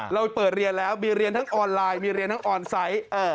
เราเปิดเรียนแล้วมีเรียนทั้งออนไลน์มีเรียนทั้งออนไซต์